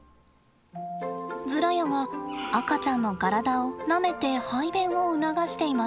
ズラヤが赤ちゃんの体をなめて排便を促しています。